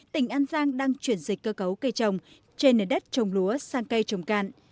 tỉnh an giang đang chuyển dịch cơ cấu cây trồng trên nền đất trồng lúa sang cây trồng cạn